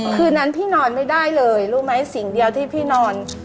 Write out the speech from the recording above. คืนนั้นพี่นอนไม่ได้เลยรู้ไหมสิ่งเดียวที่พี่นอน